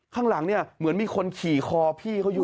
ข้างหลังเนี่ยเหมือนมีคนขี่คอพี่เขาอยู่